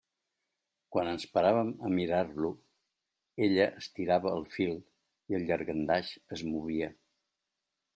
Quan ens paràvem a mirar-lo, ella estirava el fil i el llangardaix es movia.